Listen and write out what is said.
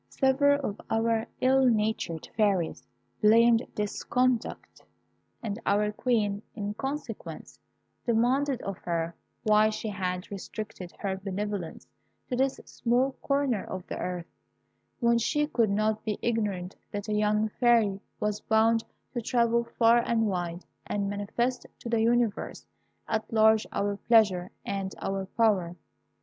"Several of our ill natured fairies blamed this conduct, and our Queen, in consequence, demanded of her why she had restricted her benevolence to this small corner of the earth, when she could not be ignorant that a young fairy was bound to travel far and wide, and manifest to the universe at large our pleasure and our power.